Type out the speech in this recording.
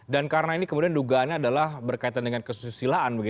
dan karena ini kemudian dugaannya adalah berkaitan dengan kesusilaan